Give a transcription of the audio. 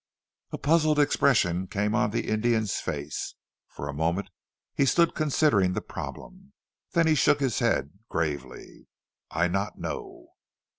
A puzzled expression came on the Indian's face. For a moment he stood considering the problem, then he shook his head gravely. "I not know."